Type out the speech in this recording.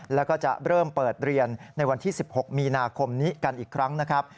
แล้วก็จะเริ่มเปิดเรียนในวันที่๑๖มีนาคมนี้กันอีกครั้งนะครับ